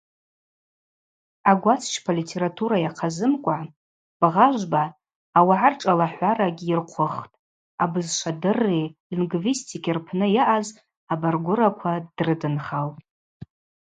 Агвацчпа литература йахъазымкӏва Бгъажвба ауагӏа ршӏалахӏварагьи йырхъвыхтӏ, абызшвадырри лингвистики рпны йаъаз абаргвыраква дрыдынхалтӏ.